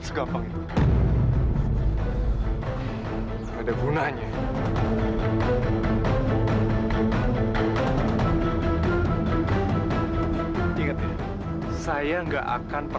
sampai jumpa di video selanjutnya